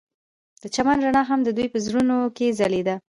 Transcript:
د چمن رڼا هم د دوی په زړونو کې ځلېده.